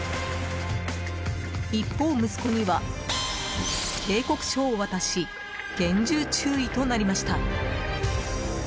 一方、息子には警告書を渡し厳重注意となりました。